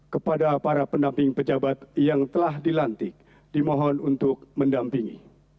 kepada para pendamping pejabat yang telah dilantik dimohon untuk mendampingi